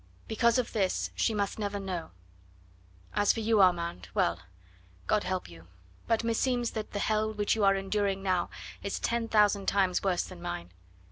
Because of this she must never know.... As for you, Armand well, God help you! But meseems that the hell which you are enduring now is ten thousand times worse than mine.